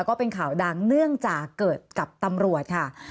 ก็เป็นข่าวดังเนื่องจากเกิดกับตำรวจค่ะ